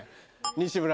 西村。